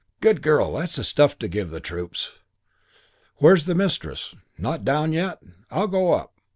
Good girl. That's the stuff to give the troops. Where's the Mistress? Not down yet? I'll go up.